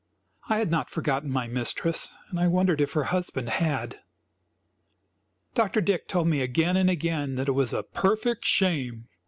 I had not forgotten my mistress and I wondered if her husband had. Dr. Dick told me again and again that it was "a perfect shame!"